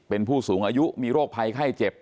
เป็นผู้สูงอายุมีโรคภัยไข้เจ็บ